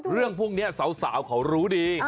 เรื่องพวกนี้สาวเขารู้ดี